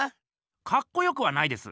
かっこよくはないです。